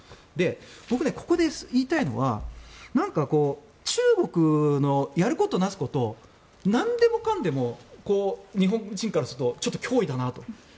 僕、ここで言いたいのはなんか、中国のやることなすことなんでもかんでも日本人からするとちょっと脅威だなと。